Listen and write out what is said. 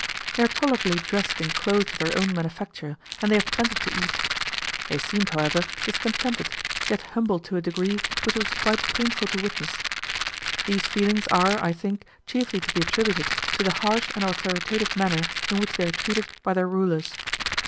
They are tolerably dressed in clothes of their own manufacture, and they have plenty to eat. They seemed, however, discontented, yet humble to a degree which it was quite painful to witness. These feelings are, I think, chiefly to be attributed to the harsh and authoritative manner in which they are treated by their rulers.